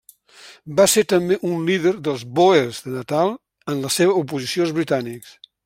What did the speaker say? Va ser també un líder dels bòers de Natal en la seva oposició als britànics.